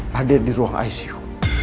hadir di ruang icu